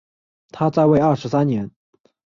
他在位二十三年。